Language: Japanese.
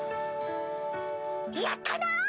やったな！